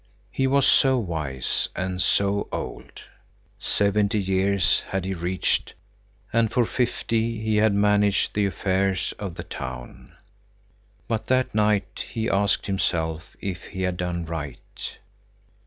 He was so wise and so old. Seventy years had he reached, and for fifty he had managed the affairs of the town. But that night be asked himself if he had done right.